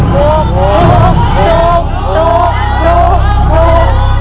คุณฝนจากชายบรรยาย